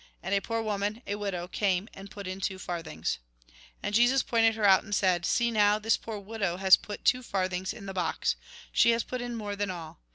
And a poor woman, a widow, came and put in two farthings. And Jesus pointed her out, and said :" See, now, this poor widow has put two farthings in the box. She has put in more than all.